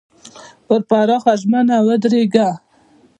پر خپله ژمنه ودرېږئ.